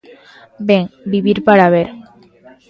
Ben, vivir para ver.